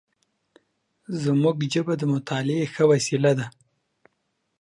زموږ ژبه د مطالعې ښه وسیله ده.